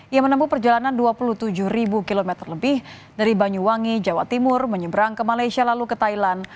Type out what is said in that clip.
ia menempuh perjalanan dua puluh tujuh km lebih dari banyuwangi jawa timur menyeberang ke malaysia lalu ke thailand